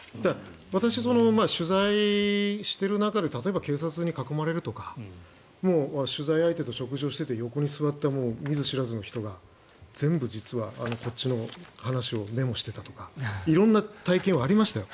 私、取材してる中で例えば、警察に囲まれるとかもう取材相手と食事をしていて横に座った見ず知らずの人が全部、実はこっちの話をメモしていたとか色んな体験はありましたよ。